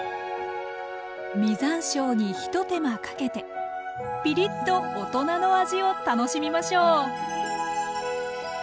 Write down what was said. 実山椒に一手間かけてピリッと大人の味を楽しみましょう！